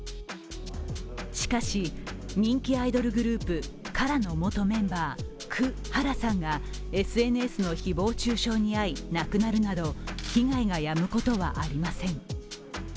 しかし、人気アイドルグループＫＡＲＡの元メンバーク・ハラさんがＳＮＳの誹謗中傷に遭い亡くなるなど被害がやむことはありません。